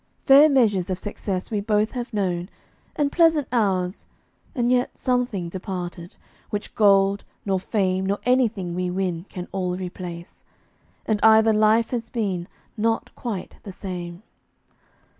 Fair measures of success we both have known, And pleasant hours, and yet something departed Which gold, nor fame, nor anything we win Can all replace. And either life has been Not quite the same.